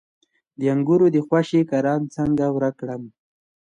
د انګورو د خوشې کرم څنګه ورک کړم؟